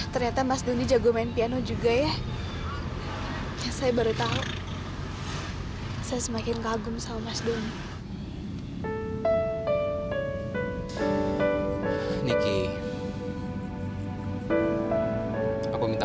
ternyata mas doni jago main piano juga ya